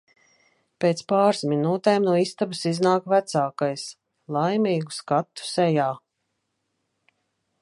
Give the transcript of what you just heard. Pēc pāris minūtēm no istabas iznāk vecākais – laimīgu skatu sejā.